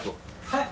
はい？